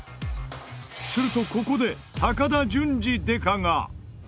するとここで高田純次デカが。